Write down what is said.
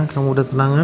kamu udah tenangan